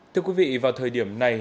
thưa quý vị vào thời điểm này